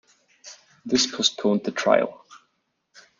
This postponed the trial.